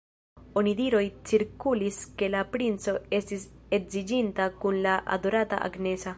Onidiroj cirkulis ke la princo estis edziniĝinta kun la adorata Agnesa.